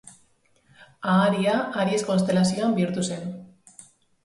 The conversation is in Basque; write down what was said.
Aharia, Aries konstelazioan bihurtu zen.